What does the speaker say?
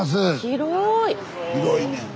広いねん。